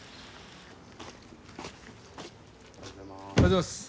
おはようございます。